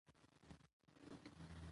د بولان پټي د افغان ښځو په ژوند کې رول لري.